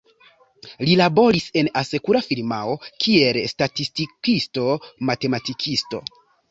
Li laboris en asekura firmao kiel statistikisto-matematikisto.